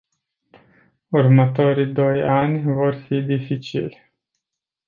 Următorii doi ani vor fi dificili.